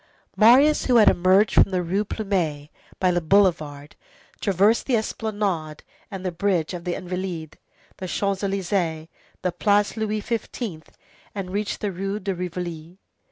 Marius, who had emerged from the Rue Plumet by the boulevard, traversed the Esplanade and the bridge of the Invalides, the Champs Élysées, the Place Louis XV., and reached the Rue de Rivoli.